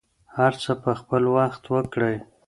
هر څه په خپل وخت وکړئ.